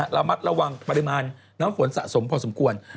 ระมัดระวังปริมาณน้ำฝนสะสมพอสมควร